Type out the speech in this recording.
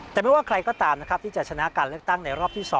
แต่ไม่ว่าใครก็ตามนะครับที่จะชนะการเลือกตั้งในรอบที่๒